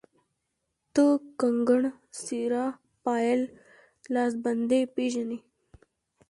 ته کنګڼ ،سيره، پايل، لاسبندي پيژنې